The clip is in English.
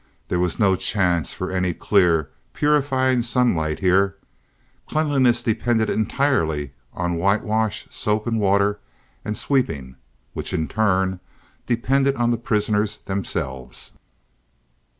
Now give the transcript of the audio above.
There was no chance for any clear, purifying sunlight here. Cleanliness depended entirely on whitewash, soap and water and sweeping, which in turn depended on the prisoners themselves.